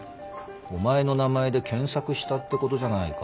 お前の名前で検索したってことじゃないか。